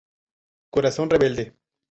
Corazón Rebelde